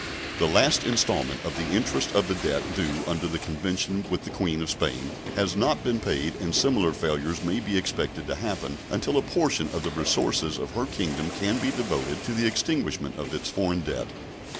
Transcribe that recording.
The last installment of the interest of the debt due under the convention with the Queen of Spain has not been paid and similar failures may be expected to happen until a portion of the resources of her Kingdom can be devoted to the extinguishment of its foreign debt.